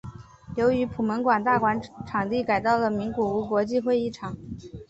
由于普门馆大馆场地改到了名古屋国际会议场。